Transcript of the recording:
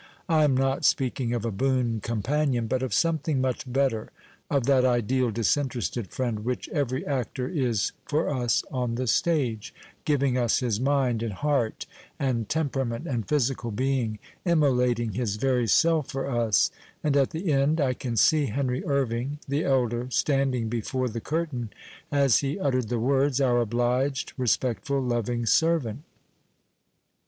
I am not speaking of a boon companion, but of something much better, of that ideal, disinterested friend which every actor is for us on the stage, giving us his mind and heart and temperament and physical being, immolating his very self for us, and at the end (I can see Henry Irving the elder standing before the curtain as he uttered the words) our " obliged, respectful, loving servant."